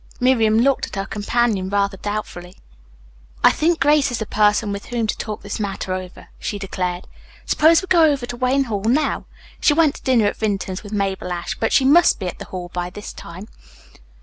Miriam looked at her companion rather doubtfully. "I think Grace is the person with whom to talk this matter over," she declared. "Suppose we go over to Wayne Hall now? She went to dinner at Vinton's with Mabel Ashe, but she must be at the hall by this time."